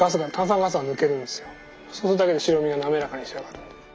そうするだけで白身がなめらかに仕上がるんで。